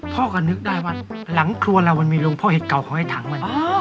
พ่อก็นึกได้ว่าหลังครัวเรามันมีหลวงพ่อเห็ดเก่าของไอ้ถังมัน